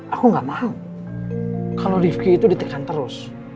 aku gak mau kalau lifki itu ditekan terus